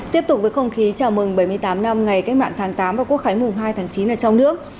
tiếp tục với không khí chào mừng bảy mươi tám năm ngày cách mạng tháng tám và quốc khánh mùng hai tháng chín ở trong nước